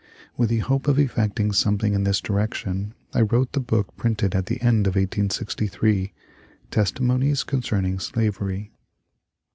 With the hope of effecting something in this direction, I wrote the book printed at the end of 1868, ^^ Testimonies concerning Slavery."